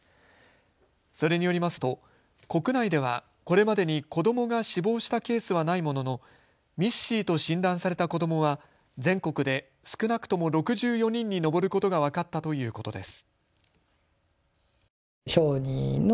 それによりますと国内ではこれまでに子どもが死亡したケースはないもののＭＩＳ−Ｃと診断された子どもは全国で少なくとも６４人に上ることが分かったということです。